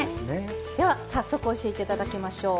では早速教えていただきましょう。